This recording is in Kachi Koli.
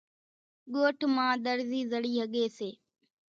ڳوٺ مان ۮرزِي زڙِي ۿڳيَ سي۔